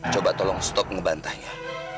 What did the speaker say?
coba tolong berhenti ngebantahnya